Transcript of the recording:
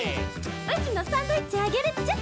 うちのサンドイッチあげるっちゃ。